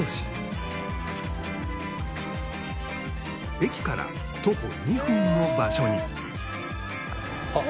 駅から徒歩２分の場所に。